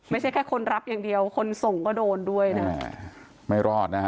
ไม่ใช่แค่คนรับอย่างเดียวคนส่งก็โดนด้วยนะ